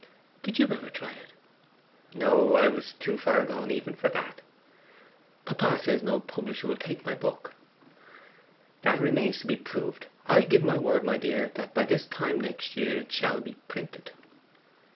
'Did you ever try it?' 'No; I was too far gone even for that.' 'Papa says no publisher will take my book.' 'That remains to be proved. I'll give my word, my dear, that by this time next year it shall be printed.